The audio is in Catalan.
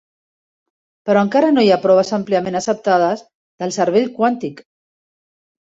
Però encara no hi ha proves àmpliament acceptades del "cervell quàntic".